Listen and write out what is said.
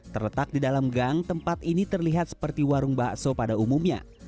terletak di dalam gang tempat ini terlihat seperti warung bakso pada umumnya